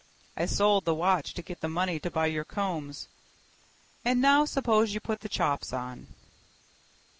I sold the watch to get the money to buy your combs. And now suppose you put the chops on."